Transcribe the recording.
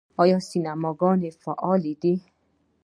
آیا سینماګانې فعالې دي؟